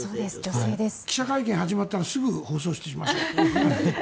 記者会見が始まったらすぐ放送しましょう。